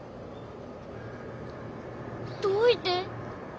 どういて？